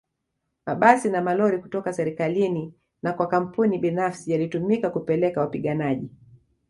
Mabasi na malori kutoka serikalini na kwa kampuni binafsi yalitumika kupeleka wapiganaji